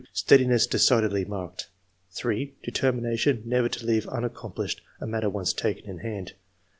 Steadiness decidedly marked." 3. '* Determination never to leave unaccomplished a matter once taken in hand.''